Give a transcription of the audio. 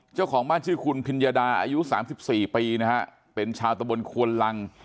เจ้าของบ้านชื่อคุณพิญญาดาอายุ๓๔ปีนะฮะเป็นชาวตะบนควนลัง